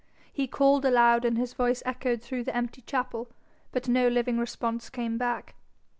He called aloud, and his voice echoed through the empty chapel, but no living response came back.